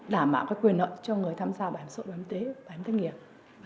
đảm bảo cái quyền lợi cho người tham gia bảo hiểm xã hội bảo hiểm tế bảo hiểm thanh nghiệp